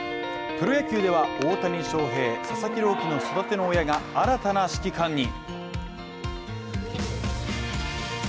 プロ野球では、大谷翔平、佐々木朗希の育ての親が新たな指揮官に！